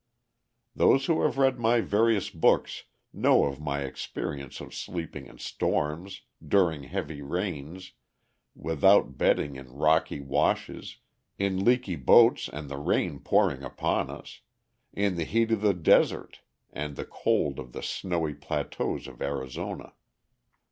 Those who have read my various books know of my experiences of sleeping in storms, during heavy rains, without bedding in rocky washes, in leaky boats and the rain pouring upon us, in the heat of the desert, and the cold of the snowy plateaus of Arizona.